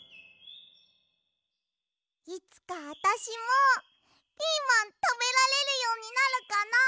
いつかあたしもピーマンたべられるようになるかな。